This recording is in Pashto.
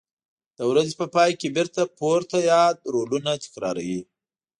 د ورځې په پای کې بېرته پورته یاد رولونه تکراروي.